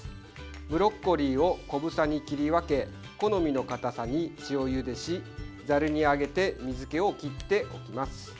ブロッコリーを小房に切り分け好みのかたさに塩ゆでしざるに上げて水けを切っておきます。